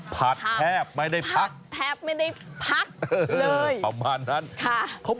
อ๋อผัดแทบไม่ได้พัก